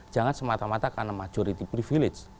jangan semata mata karena majority privilege